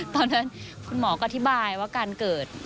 ตอนนั้นคุณหมอก็อธิบายว่าการเกิด